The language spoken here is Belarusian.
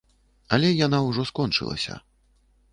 Але яна ўжо скончылася.